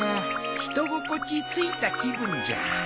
人心地ついた気分じゃ。